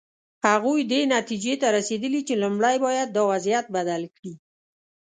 هغوی دې نتیجې ته رسېدلي چې لومړی باید دا وضعیت بدل کړي.